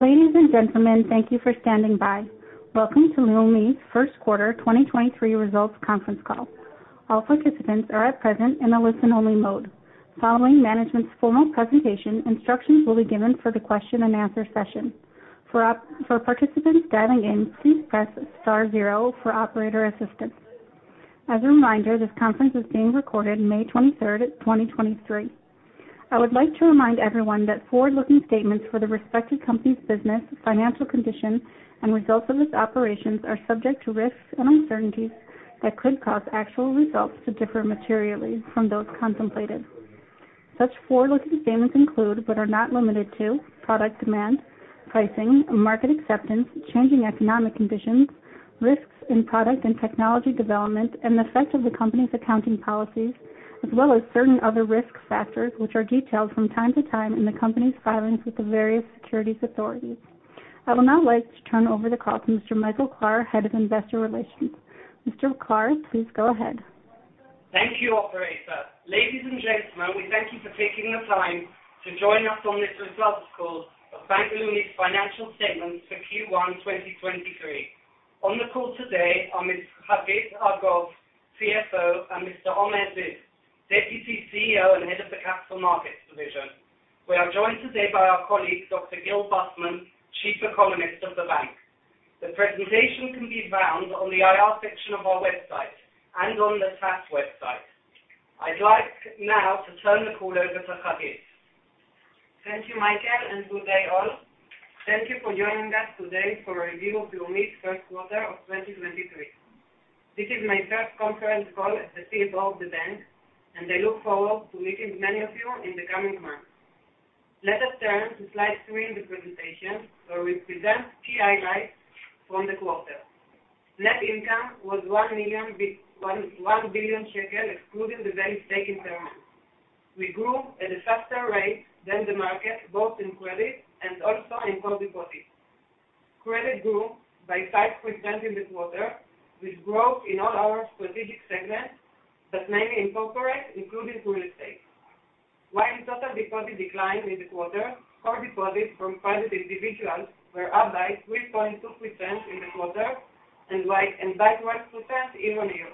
Ladies and gentlemen, thank you for standing by. Welcome to Leumi's 1st Quarter 2023 Results Conference Call. All participants are at present in a listen-only mode. Following management's formal presentation, instructions will be given for the question-and-answer session. For participants dialing in, please press star zero for operator assistance. As a reminder, this conference is being recorded May 23rd, 2023. I would like to remind everyone that forward-looking statements for the respective company's business, financial condition, and results of its operations are subject to risks and uncertainties that could cause actual results to differ materially from those contemplated. Such forward-looking statements include, but are not limited to, product demand, pricing, market acceptance, changing economic conditions, risks in product and technology development, and the effect of the company's accounting policies, as well as certain other risk factors which are detailed from time to time in the company's filings with the various securities authorities. I would now like to turn over the call to Mr. Michael Klahr, Head of Investor Relations. Mr. Klahr, please go ahead. Thank you, operator. Ladies and gentlemen, we thank you for taking the time to join us on this results call of Bank Leumi's financial statements for Q1 2023. On the call today are Miss Hagit Argov, CFO, and Mr. Omer Ziv, Deputy CEO and Head of the Capital Markets Division. We are joined today by our colleague, Dr. Gil Bufman, Chief Economist of the bank. The presentation can be found on the IR section of our website and on the TASE website. I'd like now to turn the call over to Hagit. Thank you, Michael. Good day, all. Thank you for joining us today for a review of Leumi's first quarter of 2023. This is my first conference call as the CFO of the bank. I look forward to meeting many of you in the coming months. Let us turn to slide three in the presentation, where we present key highlights from the quarter. Net income was 1 billion shekel, excluding the bank stake in Valley. We grew at a faster rate than the market, both in credit and also in core deposits. Credit grew by 5% in the quarter, with growth in all our strategic segments, but mainly in corporate, including real estate. While total deposits declined in the quarter, core deposits from private individuals were up by 3.2% in the quarter, and by 1% year-on-year.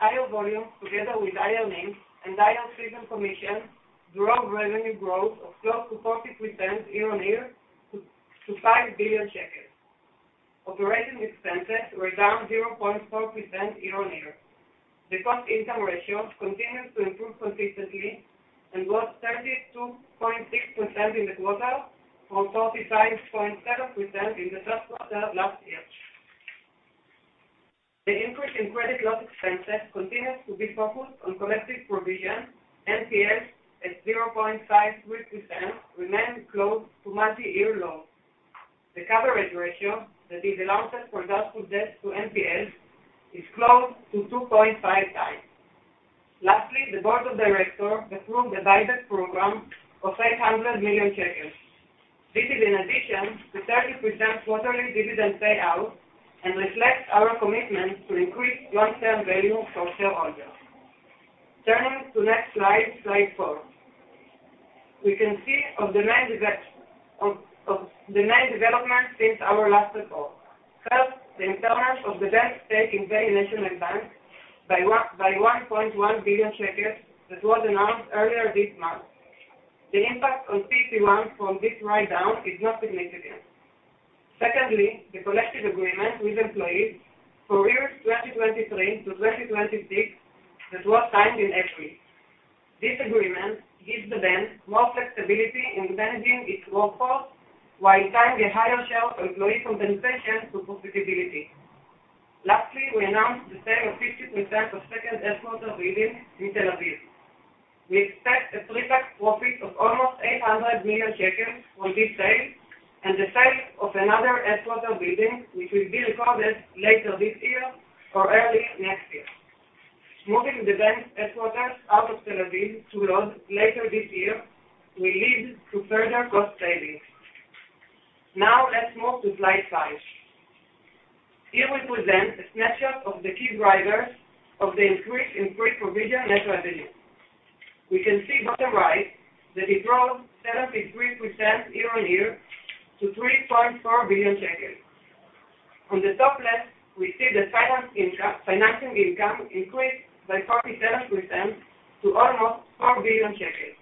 Higher volumes, together with higher NIMs and higher fee and commission, drove revenue growth of close to 40% year-on-year to 5 billion shekels. Operating expenses were down 0.4% year-on-year. The cost-income ratio continued to improve consistently and was 32.6% in the quarter, from 35.7% in the first quarter of last year. The increase in credit loss expenses continues to be focused on collective provisions. NPLs, at 0.53%, remain close to multi-year lows. The coverage ratio, that is allowances for doubtful debts to NPLs, is close to 2.5x. Lastly, the board of directors approved a buyback program of 800 million shekels. This is in addition to 30% quarterly dividend payout and reflects our commitment to increase long-term value for shareholders. Turning to next slide four. We can see of the main developments since our last call. First, the impairment of the bank stake in Valley National Bank by 1.1 billion shekels that was announced earlier this month. The impact on CET1 from this write-down is not significant. Secondly, the collective agreement with employees for years 2023-2026 that was signed in April. This agreement gives the bank more flexibility in managing its workforce while tying a higher share of employee compensation to profitability. Lastly, we announced the sale of 50% of second headquarter building in Tel Aviv. We expect a pre-tax profit of almost 800 million shekels on this sale and the sale of another headquarter building, which will be recorded later this year or early next year. Moving the bank's headquarters out of Tel Aviv to Lod later this year will lead to further cost savings. Let's move to slide five. Here we present a snapshot of the key drivers of the increase in pre-provision net revenue. We can see bottom right that it rose 7.3% year-on-year to 3.4 billion. On the top left, we see that financing income increased by 47% to almost 4 billion shekels.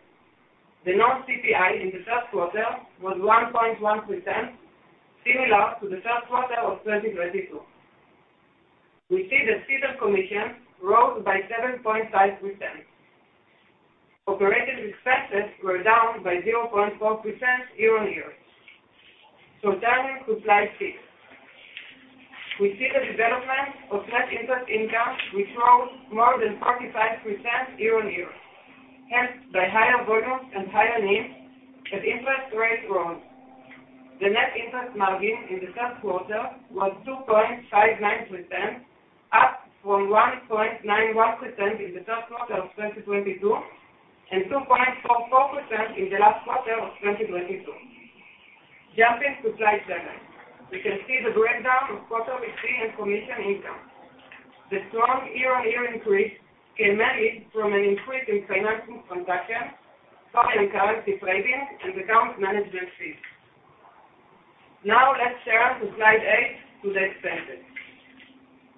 The non-CPI in the first quarter was 1.1%, similar to the first quarter of 2022. We see that fee and commission rose by 7.5%. Operating expenses were down by 0.4% year-on-year. Turning to slide six. We see the development of net interest income, which rose more than 45% year-on-year, helped by higher volumes and higher NIMs as interest rates rose. The net interest margin in the first quarter was 2.59%, up from 1.91% in the first quarter of 2022, and 2.44% in the last quarter of 2022. Jumping to slide seven. We can see the breakdown of quarter fee and commission income. The strong year-on-year increase emanated from an increase in financial transactions, foreign currency trading, and account management fees. Let's turn to slide eight for the expenses.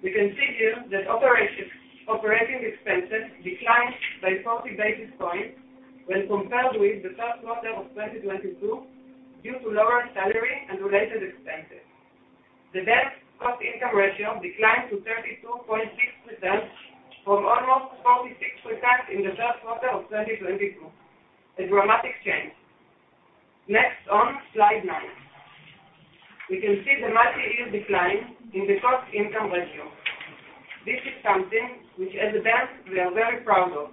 We can see here that operating expenses declined by 40 basis points when compared with the first quarter of 2022 due to lower salary and related expenses. The bank's cost-income ratio declined to 32.6% from almost 46% in the first quarter of 2022, a dramatic change. On slide nine. We can see the multi-year decline in the cost-income ratio. This is something which as a bank we are very proud of.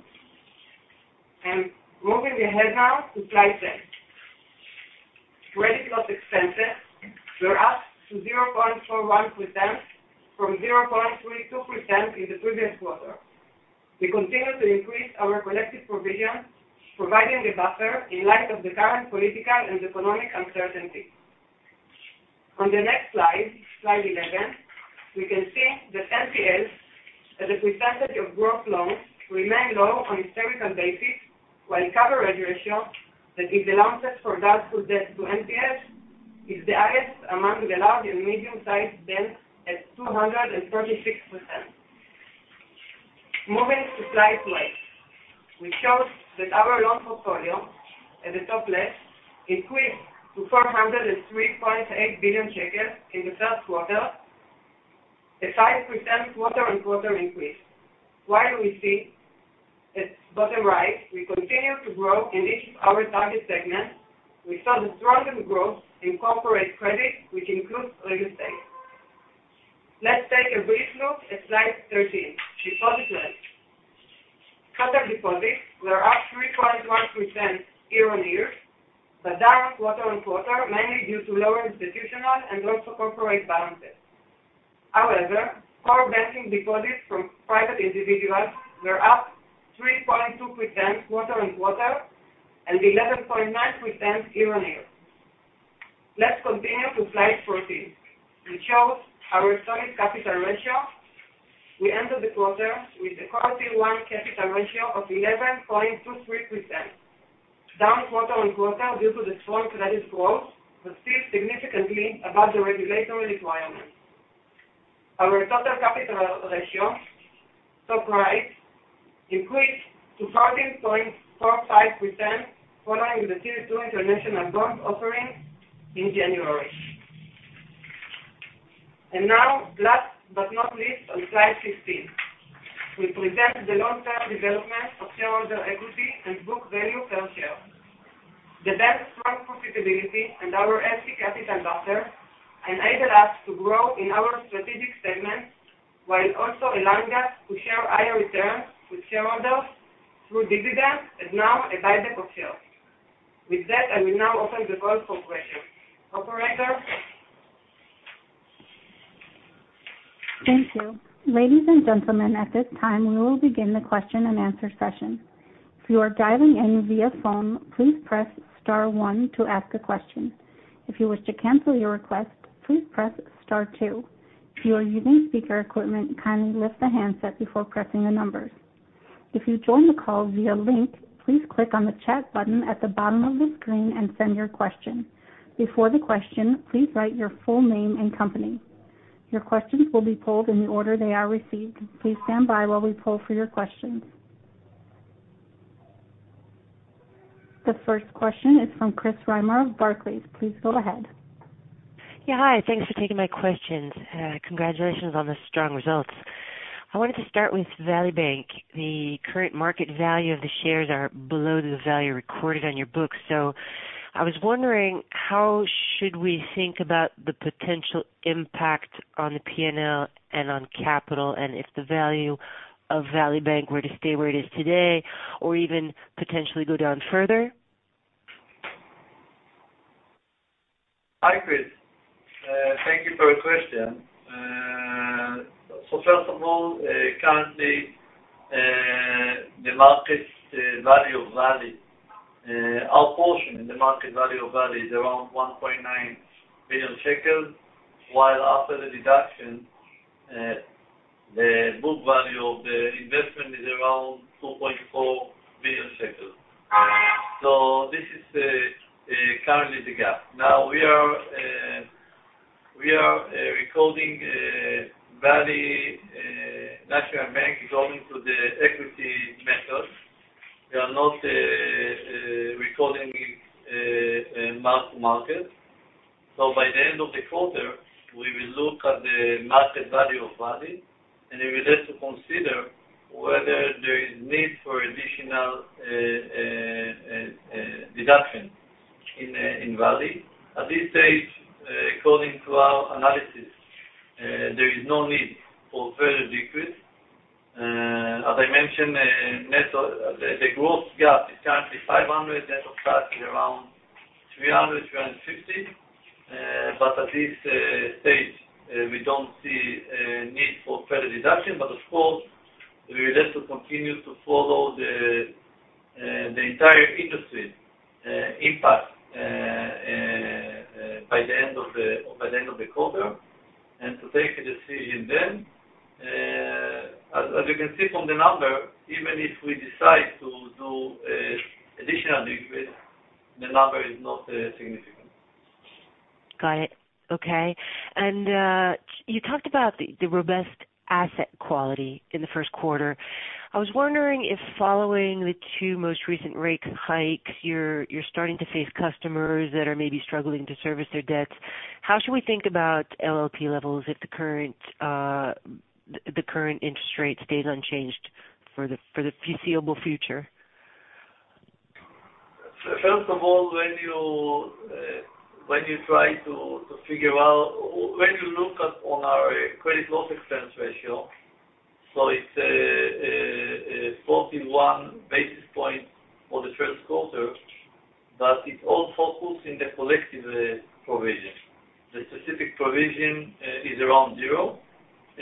Moving ahead now to slide 10. Credit loss expenses were up to 0.41% from 0.32% in the previous quarter. We continue to increase our collective provisions, providing a buffer in light of the current political and economic uncertainty. On the next slide 11, we can see that NPLs as a percentage of gross loans remain low on a historical basis, while cover ratio, that is the allowances for doubtful debt to NPLs, is the highest among the large and medium-sized banks at 236%. Moving to slide 12, which shows that our loan portfolio at the top left increased to 403.8 billion shekels in the first quarter, a 5% quarter-on-quarter increase. While we see at bottom right, we continue to grow in each of our target segments, we saw the strongest growth in corporate credit, which includes real estate. Let's take a brief look at slide 13, deposit loans. Customer deposits were up 3.1% year-on-year, but down quarter-on-quarter, mainly due to lower institutional and also corporate balances. However, core banking deposits from private individuals were up 3.2% quarter-on-quarter and 11.9% year-on-year. Let's continue to slide 14, which shows our solid capital ratio. We ended the quarter with a CET1 capital ratio of 11.23%, down quarter-on-quarter due to the strong credit growth. Still significantly above the regulatory requirements. Our total capital ratio, top right, increased to 13.45% following the Tier 2 international bond offering in January. Now last but not least, on slide 15, we present the long-term development of shareholder equity and book value per share. The bank's strong profitability and our CET1 capital buffer enable us to grow in our strategic segments, while also allowing us to share higher returns with shareholders through dividends and now a buyback of shares. With that, I will now open the call for questions. Operator? Thank you. Ladies and gentlemen, at this time, we will begin the question-and-answer session. If you are dialing in via phone, please press star one to ask a question. If you wish to cancel your request, please press star two. If you are using speaker equipment, kindly lift the handset before pressing the numbers. If you joined the call via link, please click on the chat button at the bottom of the screen and send your question. Before the question, please write your full name and company. Your questions will be polled in the order they are received. Please stand by while we poll for your questions. The first question is from Chris Reimer of Barclays. Please go ahead. Yeah, hi. Thanks for taking my questions. Congratulations on the strong results. I wanted to start with Valley Bank. The current market value of the shares are below the value recorded on your books. I was wondering how should we think about the potential impact on the PNL and on capital and if the value of Valley Bank were to stay where it is today or even potentially go down further? Hi, Chris. Thank you for your question. First of all, currently, the market value of Valley, our portion in the market value of Valley is around 1.9 billion shekels, while after the deduction, the book value of the investment is around 2.4 billion shekels. This is currently the gap. Now, we are recording Valley National Bank according to the equity method. We are not recording it mark to market. By the end of the quarter, we will look at the market value of Valley, and we will have to consider whether there is need for additional deduction in Valley. At this stage, according to our analysis, there is no need for further decrease. As I mentioned, the gross gap is currently 500. Net of tax is around 300, 350. But at this stage, we don't see need for further reduction, but of course, we will have to continue to follow the entire industry impact by the end of the quarter, and to take a decision then. As you can see from the number, even if we decide to do additional de-risk, the number is not significant. Got it. Okay. You talked about the robust asset quality in the 1st quarter. I was wondering if following the two most recent rate hikes, you're starting to face customers that are maybe struggling to service their debts. How should we think about LLP levels if the current, the current interest rate stays unchanged for the foreseeable future? First of all, when you try to figure out when you look at on our credit loss expense ratio, so it's 41 basis points for the first quarter, but it also includes in the collective provision. The specific provision is around zero.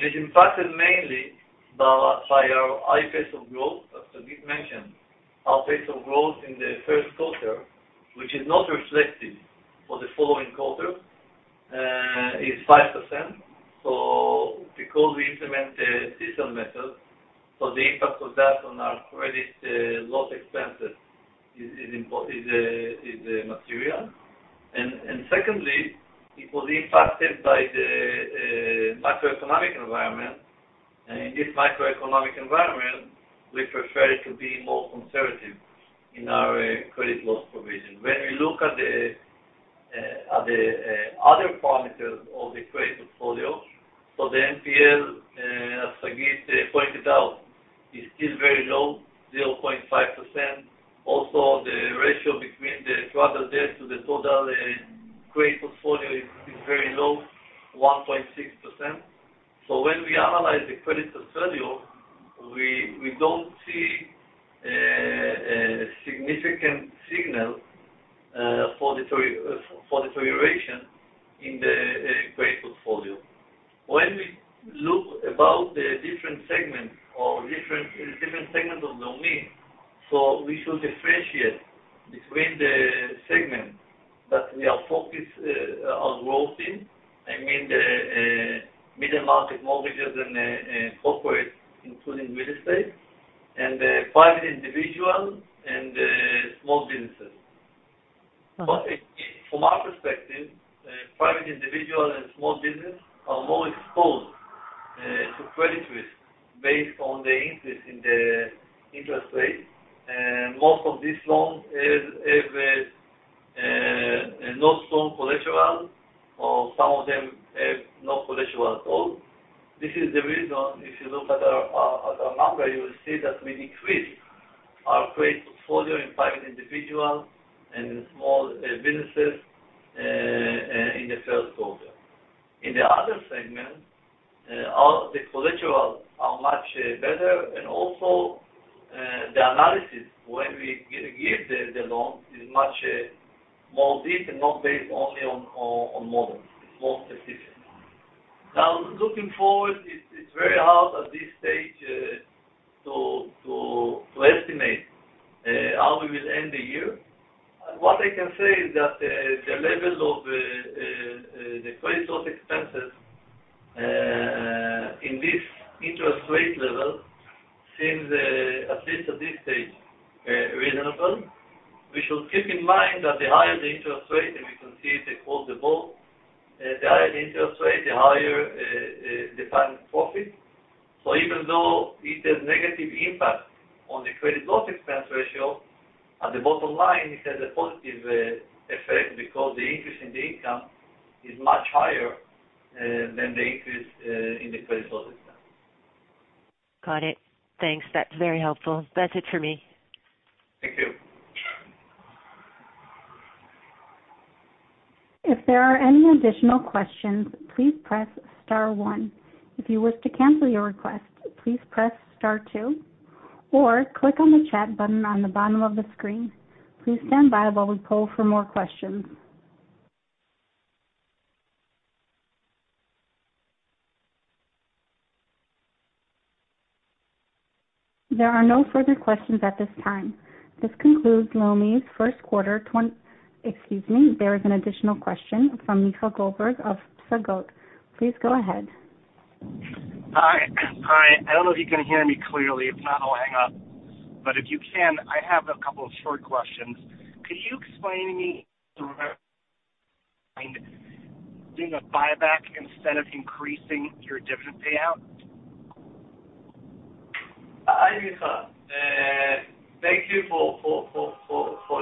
It is impacted mainly by our high pace of growth, as Hagit mentioned. Our pace of growth in the first quarter, which is not reflected for the following quarter, is 5%. Because we implement a system method, so the impact of that on our credit loss expenses is material. Secondly, it was impacted by the macroeconomic environment. In this macroeconomic environment, we prefer to be more conservative in our credit loss provision. When we look at the other parameters of the credit portfolio, the NPL, as Hagit pointed out, is still very low, 0.5%. Also, the ratio between the troubled debt to the total credit portfolio is very low, 1.6%. When we analyze the credit portfolio, we don't see a significant signal for deterioration in the credit portfolio. When we look about the different segments or different segments of Leumi, we should differentiate between the segments that we are focused on growth in. I mean the middle market mortgages and corporate, including real estate, and the private individuals and small businesses. Uh-huh. From our perspective, private individuals and small businesses are more exposed to credit risk based on the interest in the interest rates, and most of these loans have no strong collateral, or some of them have no collateral at all. This is the reason, if you look at our number, you will see that we decreased our credit portfolio in private individuals and in small businesses in the 1st quarter. In the other segment, all the collateral are much better, and also, the analysis when we give the loan is much more deep and not based only on models. It's more specific. Looking forward, it's very hard at this stage to estimate how we will end the year. What I can say is that the levels of the credit loss expenses in this interest rate level seems at least at this stage reasonable. We should keep in mind that the higher the interest rate, and we can see it across the board, the higher the interest rate, the higher the bank profit. Even though it has negative impact on the credit loss expense ratio, at the bottom line, it has a positive effect because the interest in the income is much higher than the increase in the credit loss expense. Got it. Thanks. That's very helpful. That's it for me. Thank you. If there are any additional questions, please press star one. If you wish to cancel your request, please press star two or click on the chat button on the bottom of the screen. Please stand by while we poll for more questions. There are no further questions at this time. This concludes Leumi's first quarter. Excuse me, there is an additional question from Micha Goldberg of Psagot. Please go ahead. Hi. I don't know if you can hear me clearly. If not, I'll hang up. If you can, I have a couple of short questions. Could you explain to me, doing a buyback instead of increasing your dividend payout? Hi, Micha. Thank you for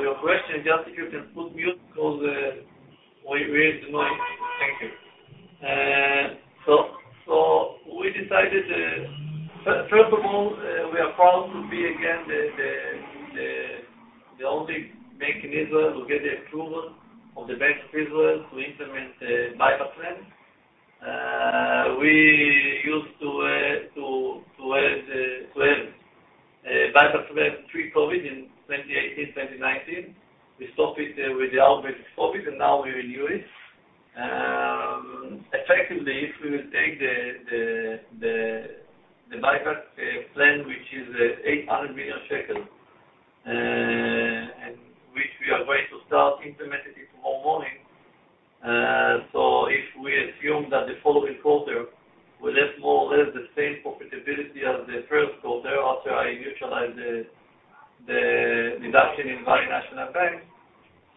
your question. Just if you can put mute because we hear the noise. Thank you. We decided. First of all, we are proud to be again the only bank in Israel to get the approval of the Bank of Israel to implement a buyback plan. We used to have a buyback plan pre-COVID in 2018, 2019. We stopped it with the outbreak of COVID, and now we renew it. Effectively, if we will take the buyback plan, which is 800 million shekels, and which we are going to start implementing it tomorrow morning. So if we assume that the following quarter will have more or less the same profitability as the first quarter after I neutralize the reduction in Valley National Bank,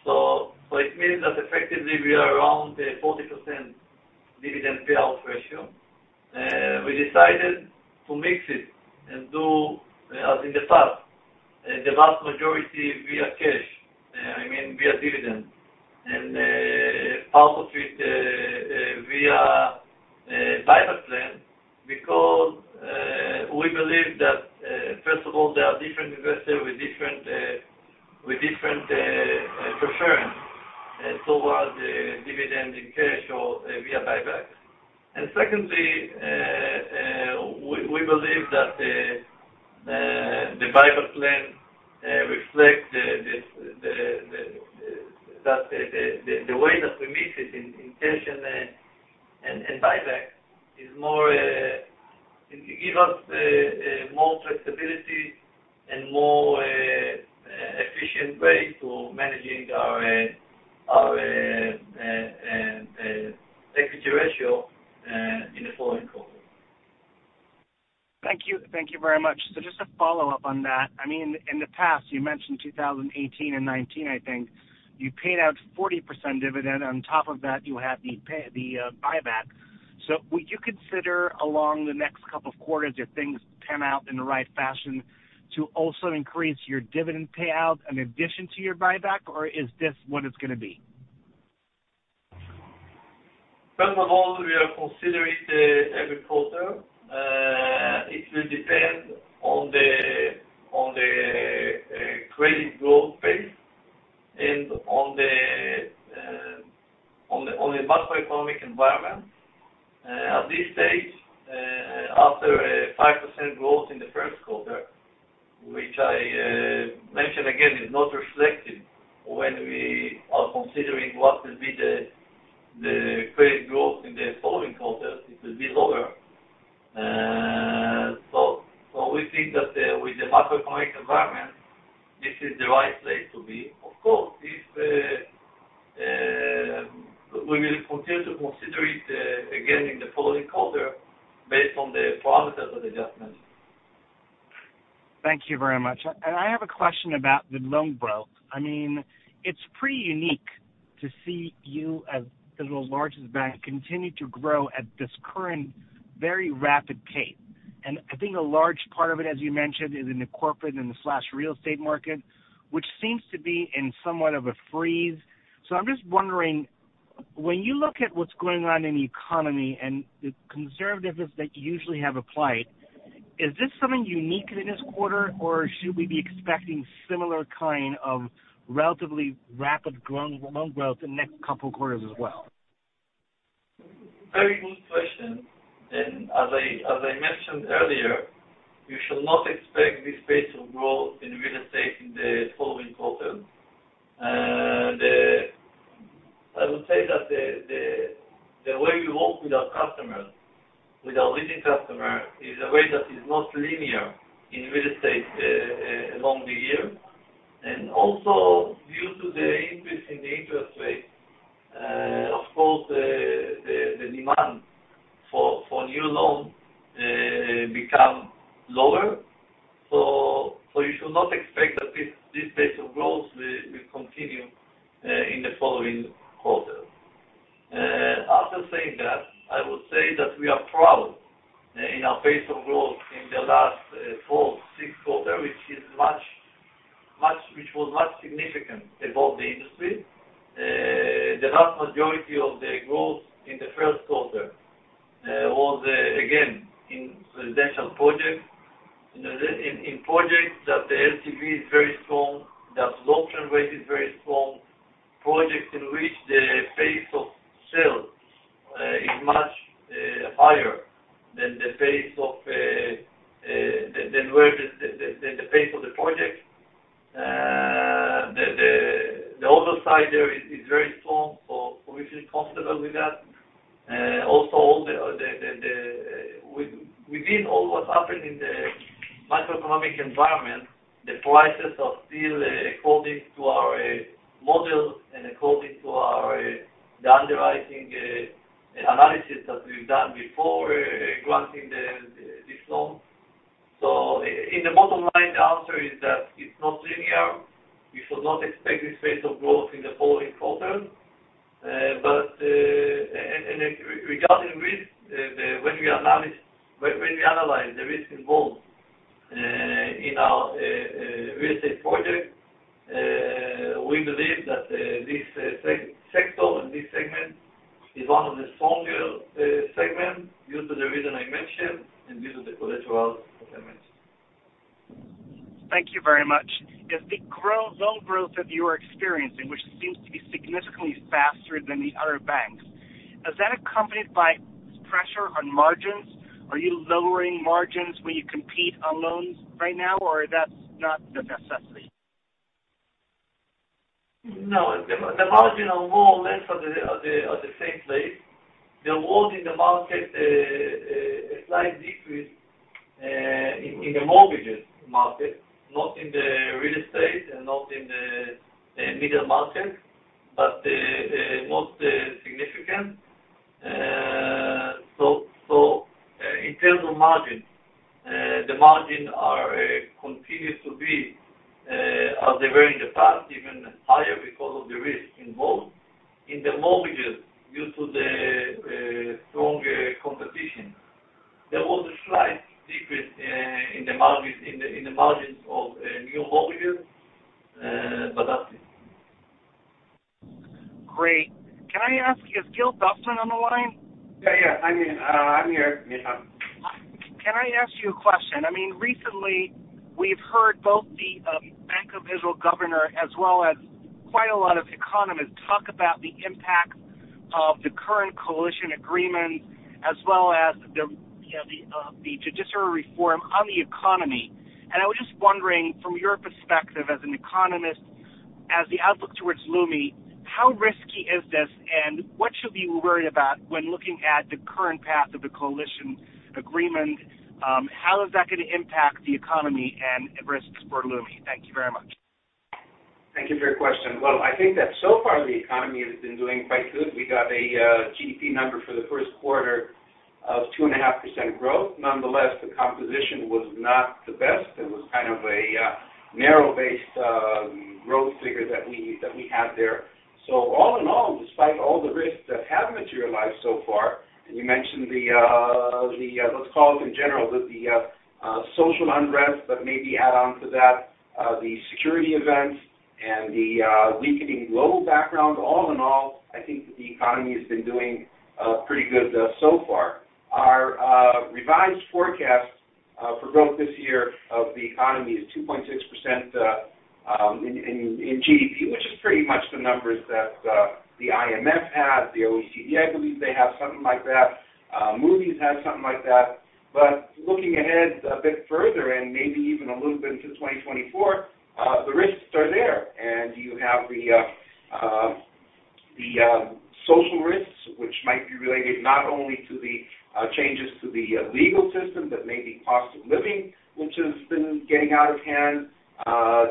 so it means that effectively we are around a 40% dividend payout ratio. We decided to mix it and do, as in the past, the vast majority via cash, I mean, via dividend, and part of it via buyback plan, because we believe that first of all, there are different investors with different preference, and so was the dividend in cash or via buyback. Secondly, we believe that the buyback plan reflects the... That the way that we mix it in cash and buyback is more, give us more flexibility and more efficient way to managing our equity ratio in the following quarter. Thank you. Thank you very much. Just a follow-up on that. I mean, in the past, you mentioned 2018 and 2019, I think. You paid out 40% dividend. On top of that, you have the buyback. Would you consider along the next couple of quarters if things pan out in the right fashion to also increase your dividend payout in addition to your buyback, or is this what it's gonna be? First of all, we are considering every quarter. It will depend on the credit growth pace and on the macroeconomic environment. At this stage, after a 5% growth in the first quarter, which I mention again, is not reflected when we are considering what will be the credit growth in the following quarters, it will be lower. So we think that with the macroeconomic environment, this is the right place to be. Of course, if we will continue to consider it again in the following quarter based on the parameters that I just mentioned. Thank you very much. I have a question about the loan growth. I mean, it's pretty unique to see you as Israel's largest bank continue to grow at this current very rapid pace. I think a large part of it, as you mentioned, is in the corporate and the slash real estate market, which seems to be in somewhat of a freeze. I'm just wondering, when you look at what's going on in the economy and the conservatism that you usually have applied, is this something unique in this quarter, or should we be expecting similar kind of relatively rapid loan growth in the next couple of quarters as well? Very good question. As I mentioned earlier, you should not expect this pace of growth in real estate in the following quarter. I would say that the way we work with our customers, with our leading customer, is a way that is not linear in real estate along the year. Also, due to the increase in the interest rates, of course, the demand for new loans become lower. You should not expect that this pace of growth will continue in the following quarter. After saying that, I would say that we are proud in our pace of growth in the last four, six quarters, which was much significant above the industry. The vast majority of the growth in the first quarter was again in residential projects. In projects that the LTV is very strong, the absorption rate is very strong. Projects in which the pace of sales is much higher than the pace of the project. The other side there is very strong, so we feel comfortable with that. Also within all what happened in the macroeconomic environment, the prices are still according to our models and according to our the underwriting analysis that we've done before granting this loan. In the bottom line, the answer is that it's not linear. You should not expect this pace of growth in the following quarter. Regarding risk, when we analyze the risk involved in our real estate project, we believe that this sector and this segment is one of the stronger segment due to the reason I mentioned, and due to the collateral that I mentioned. Thank you very much. As the loan growth that you are experiencing, which seems to be significantly faster than the other banks, is that accompanied by pressure on margins? Are you lowering margins when you compete on loans right now, or that's not the necessity? No, the margin are more or less are the same place. The world in the market, a slight decrease in the mortgages market, not in the real estate and not in the middle market, but most significant. In terms of margin, the margin are continues to be as they were in the past, even higher because of the risk involved. In the mortgages, due to the stronger competition. There was a slight decrease in the margins, in the margins of new mortgages. That's it. Great. Can I ask you, is Gil Bufman on the line? Yeah, I'm here. I'm here, Micha. Can I ask you a question? I mean, recently, we've heard both the Bank of Israel governor as well as quite a lot of economists talk about the impact of the current coalition agreement, as well as the, you know, the judiciary reform on the economy. I was just wondering, from your perspective as an economist, as the outlook towards Leumi, how risky is this, and what should we worry about when looking at the current path of the coalition agreement, how is that gonna impact the economy and risks for Leumi? Thank you very much. Thank you for your question. Well, I think that so far the economy has been doing quite good. We got a GDP number for the 1st quarter of 2.5% growth. The composition was not the best. It was kind of a narrow-based growth figure that we had there. All in all, despite all the risks that have materialized so far, and you mentioned the, let's call it in general, the social unrest, but maybe add on to that, the security events and the weakening global background. All in all, I think that the economy has been doing pretty good so far. Our revised forecast for growth this year of the economy is 2.6% in GDP, which is pretty much the numbers that the IMF has. The OECD, I believe they have something like that. Moody's has something like that. Looking ahead a bit further and maybe even a little bit into 2024, the risks are there. You have the social risks, which might be related not only to the changes to the legal system, but maybe cost of living, which has been getting out of hand.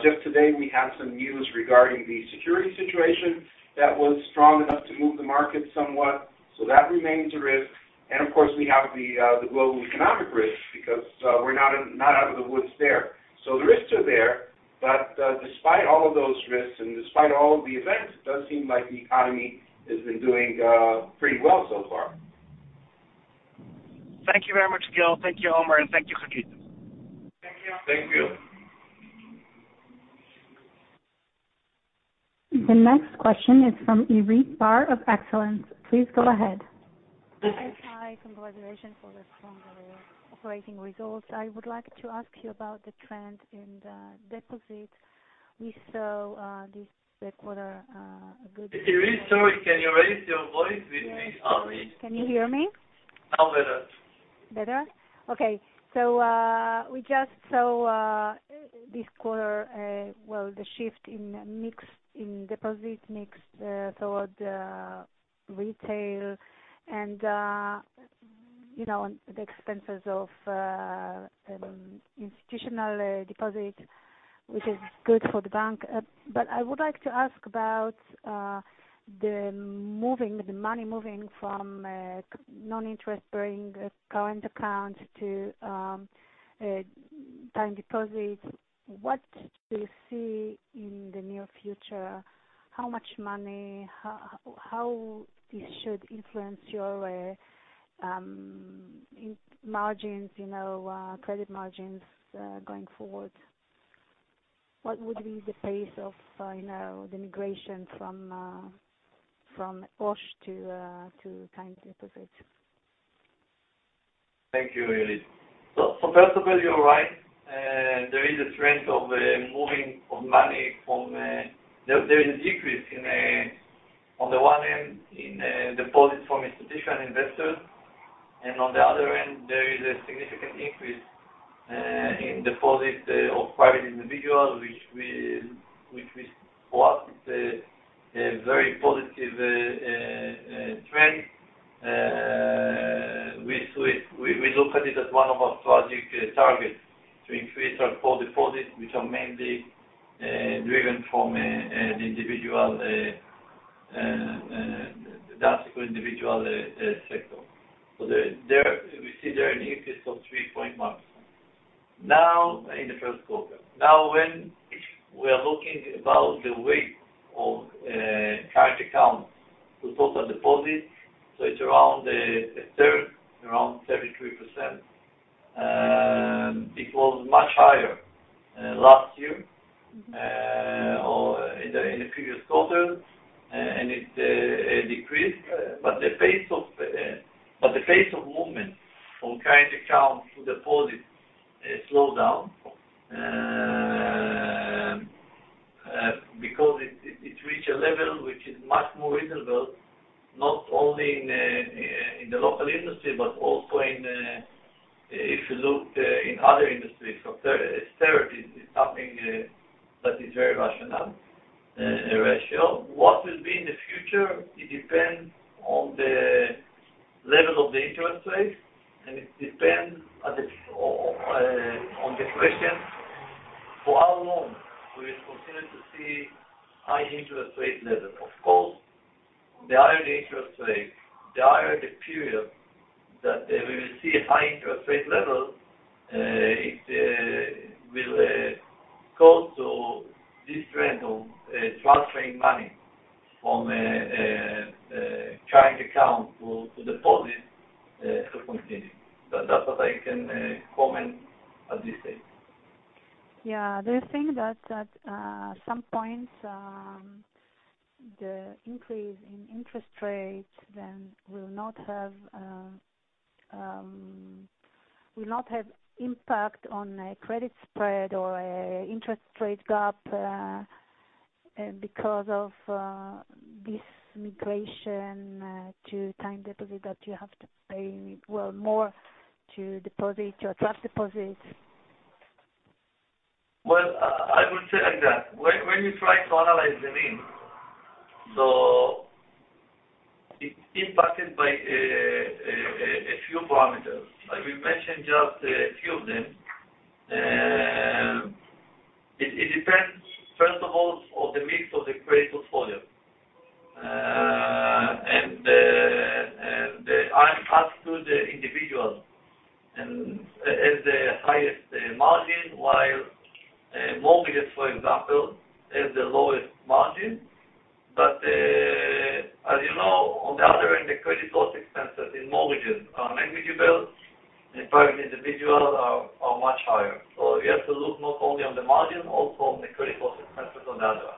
Just today, we have some news regarding the security situation that was strong enough to move the market somewhat. That remains a risk. Of course, we have the global economic risk because we're not out of the woods there. The risks are there. Despite all of those risks and despite all of the events, it does seem like the economy has been doing pretty well so far. Thank you very much, Gil. Thank you, Omer, and thank you, Hagit. Thank you. Thank you. The next question is from Irit Bar of Excellence. Please go ahead. Hi. Congratulations for the strong, operating results. I would like to ask you about the trend in the deposits. We saw, this quarter, Irit, sorry, can you raise your voice? We can't hear you. Can you hear me? Now better. Better? Okay. We just saw this quarter, well, the shift in mix, in deposit mix, toward retail and, you know, the expenses of institutional deposit, which is good for the bank. I would like to ask about the money moving from non-interest-bearing current accounts to time deposits. What do you see in the near future? How much money? How this should influence your in margins, you know, credit margins, going forward? What would be the pace of, you know, the migration from OSH to time deposits? Thank you, Irit. First of all, you're right. There is a trend of moving of money from. There is a decrease on the one hand, in deposits from institutional investors, and on the other hand, there is a significant increase in deposits of private individuals, which we support. It's a very positive trend. We look at it as one of our strategic targets to increase our core deposits, which are mainly driven from an individual domestic individual sector. There, we see there an increase of three point margin. In the first quarter. When we are looking about the weight of current accounts to total deposits, it's around a third, around 33%. It was much higher last year, or in the previous quarter, and it decreased. The pace of movement from current accounts to deposits, it slowed down, because it reached a level which is much more reasonable, not only in the local industry, but also in other industries, for therapies, it's something that is very rational ratio. What will be in the future, it depends on the level of the interest rates, and it depends on the question for how long we will continue to see high interest rate levels. Of course, the higher the interest rate, the higher the period that we will see a high interest rate level, it will cause to this trend of transferring money from a current account to deposit to continue. That's what I can comment at this stage. Yeah. Do you think that at some point, the increase in interest rates then will not have impact on credit spread or interest rate gap, because of this migration to time deposit that you have to pay, well, more to deposit, to attract deposits? Well, I would say like that. When you try to analyze the NIM, it's impacted by a few parameters. I will mention just a few of them. It depends, first of all, on the mix of the credit portfolio and the up to the individual as the highest margin, while mortgages, for example, is the lowest margin. As you know, on the other end, the credit loss expenses in mortgages are negligible, and private individual are much higher. You have to look not only on the margin, also on the credit loss expenses on the other.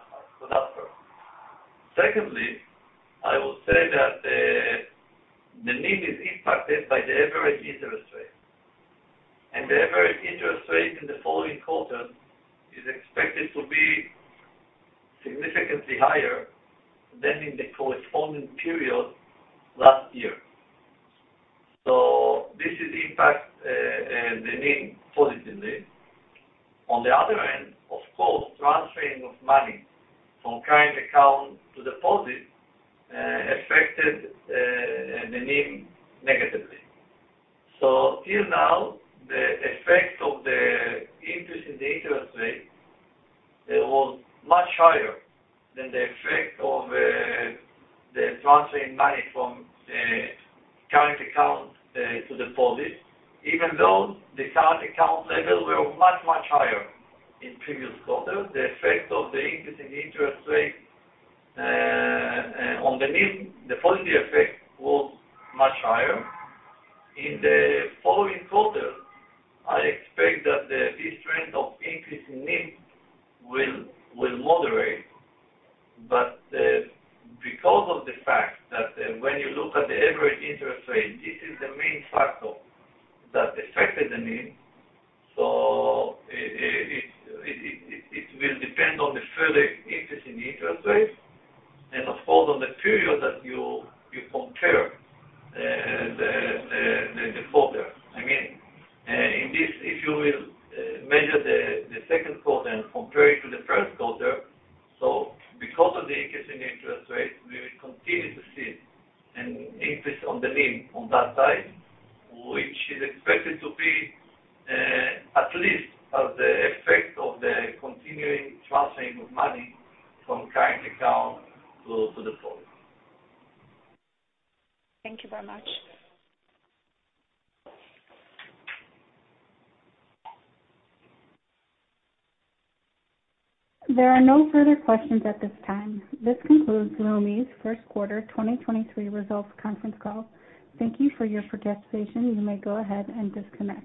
Secondly, I will say that the NIM is impacted by the average interest rate. The average interest rate in the following quarter is expected to be significantly higher than in the corresponding period last year. This is impact the NIM positively. On the other end, of course, transferring of money from current account to deposit affected the NIM negatively. Till now, the effect of the increase in the interest rate, it was much higher than the effect of the transferring money from current account to deposit. Even though the current account levels were much, much higher in previous quarters, the effect of the increase in interest rates on the NIM, the positive effect was much higher. In the following quarter, I expect that this trend of increase in NIM will moderate. 2023 results conference call. Thank you for your participation. You may go ahead and disconnect.